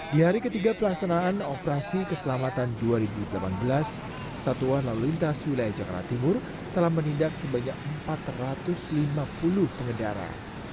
di hari ketiga pelaksanaan operasi keselamatan dua ribu delapan belas satuan lalu lintas wilayah jakarta timur telah menindak sebanyak empat ratus lima puluh pengendara